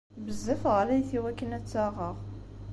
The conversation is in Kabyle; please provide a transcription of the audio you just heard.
Bezzaf ɣlayet i wakken ad tt-aɣeɣ.